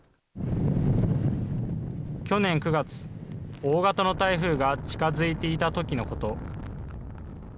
去年９月、大型の台風が近づいていたときのこと。